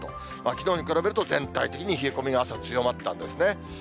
きのうに比べると全体的に冷え込みが朝強まったんですね。